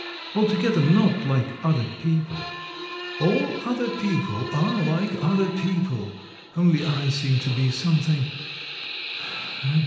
Altogether not like other people. All other people are like other people, only I seem to be something